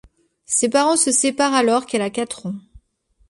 Ses parents se séparent alors qu'elle a quatre ans.